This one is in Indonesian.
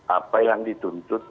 apa yang dituntut